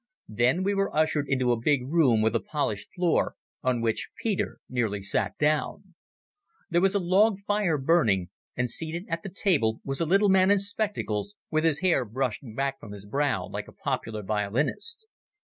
Then we were ushered into a big room with a polished floor on which Peter nearly sat down. There was a log fire burning, and seated at a table was a little man in spectacles with his hair brushed back from his brow like a popular violinist.